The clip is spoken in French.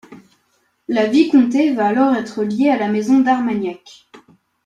La vicomté va alors être liée à la Maison d'Armagnac.